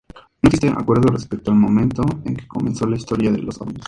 No existe acuerdo respecto al momento en que comenzó la historia de los ovnis.